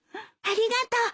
ありがとう。